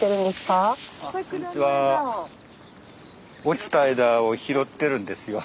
落ちた枝を拾ってるんですよ。